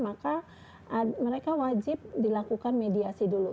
maka mereka wajib dilakukan mediasi dulu